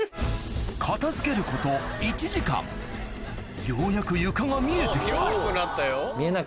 片付けることようやく床が見えて来た